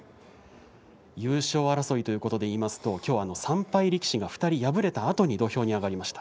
優勝争いということでいいますと、きょうは３敗力士が２人敗れたあとに土俵に上がりました。